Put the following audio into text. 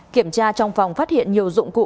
kiểm tra trong phòng phát hiện nhiều dụng cụ